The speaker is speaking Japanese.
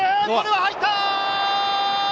入った！